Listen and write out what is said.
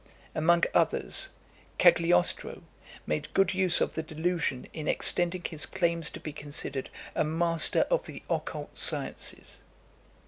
Among others, Cagliostro made good use of the delusion in extending his claims to be considered a master of the occult sciences.